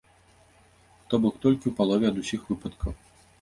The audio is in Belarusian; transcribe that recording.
То бок, толькі ў палове ад усіх выпадкаў.